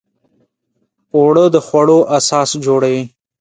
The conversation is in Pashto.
اوړه د خوړو اساس جوړوي